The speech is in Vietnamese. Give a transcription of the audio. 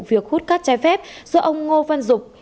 việc hút cát trái phép do ông ngô văn dục